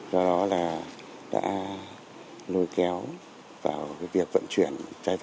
do đó là đã lôi kéo vào việc vận chuyển